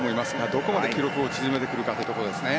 どこまで記録を縮めてくるかですね。